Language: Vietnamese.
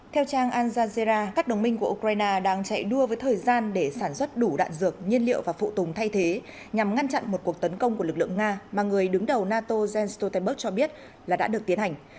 theo trang al jazeara các đồng minh của ukraine đang chạy đua với thời gian để sản xuất đủ đạn dược nhiên liệu và phụ tùng thay thế nhằm ngăn chặn một cuộc tấn công của lực lượng nga mà người đứng đầu nato jens stoltenberg cho biết là đã được tiến hành